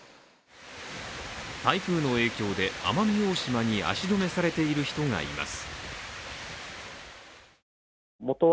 台風の影響で奄美大島に足止めされている人がいます。